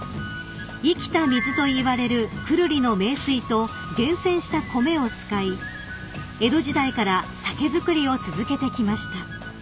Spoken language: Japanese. ［「生きた水」といわれる久留里の名水と厳選した米を使い江戸時代から酒造りを続けてきました］